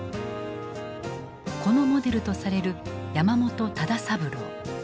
このモデルとされる山本唯三郎。